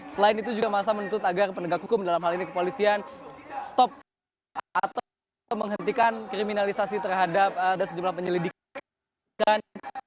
selain itu juga masa menuntut agar penegak hukum dalam hal ini kepolisian stop atau menghentikan kriminalisasi terhadap ada sejumlah penyelidikan